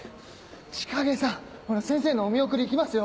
千景さんほら先生のお見送り行きますよ。